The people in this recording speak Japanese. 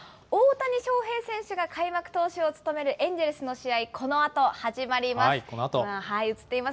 大谷翔平選手が開幕投手を務めるエンジェルスの試合、このあと始このあと。